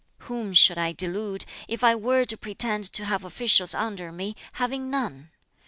Whom should I delude, if I were to pretend to have officials under me, having none?